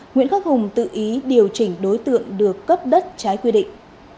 nguyễn khắc hùng tự ý điều chỉnh đối tượng được cấp đất trái quy định